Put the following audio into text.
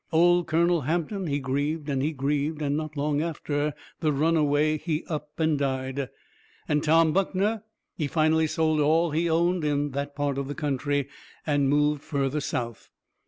Old Colonel Hampton, he grieved and he grieved, and not long after the runaway he up and died. And Tom Buckner, he finally sold all he owned in that part of the country and moved further south.